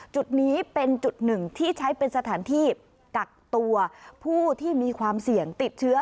จุดนี้เป็นจุดหนึ่งที่ใช้เป็นสถานที่กักตัวผู้ที่มีความเสี่ยงติดเชื้อ